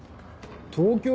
東京？